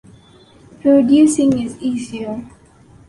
Producing is easier.